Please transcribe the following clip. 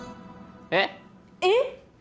えっ？えっ？